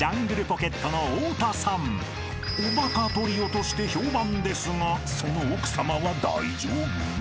［おバカトリオとして評判ですがその奥さまは大丈夫？］